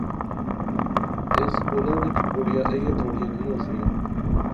اس سکولے وچ کُڑیاں ایہہ تھوڑیاں جئیاں سیاں